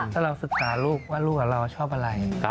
ถ้าเราศึกษาลูกว่าลูกเราชอบอะไร